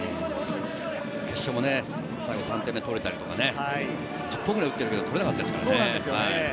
決勝も最後３点目が取れたりとか、１０本ぐらい打ってけど取れなかったですからね。